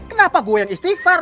kenapa gua yang istighfar